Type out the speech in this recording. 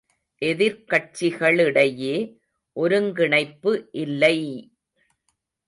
எதிர்க் கட்சிகளிடையே ஒருங்கிணைப்பு இல்லை!